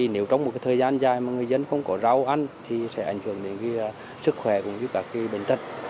nếu trong một thời gian dài mà người dân không có rau ăn thì sẽ ảnh hưởng đến sức khỏe cũng như các bệnh tật